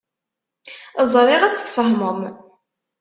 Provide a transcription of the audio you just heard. Ẓriɣ ad tt-tfehmem.